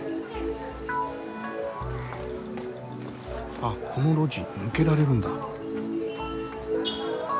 あっこの路地抜けられるんだ。